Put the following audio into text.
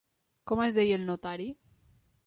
Com es deia el notari?